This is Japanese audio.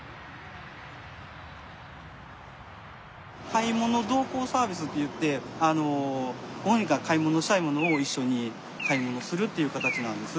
買い物同行サービスっていってご本人が買い物したいものを一緒に買い物するっていう形なんです。